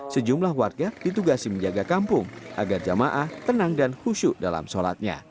sejumlah warga ditugasi menjaga kampung agar jamaah tenang dan khusyuk dalam sholatnya